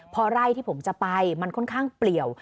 พอไร่ที่ผมจะไปมันค่อนข้างเปลี่ยว